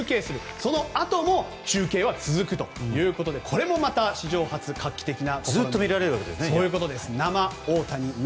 そのあとも中継は続くということでこれもまた史上初、画期的な生大谷、生